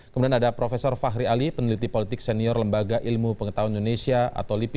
kemudian ada prof fahri ali peneliti politik senior lembaga ilmu pengetahuan indonesia atau lipi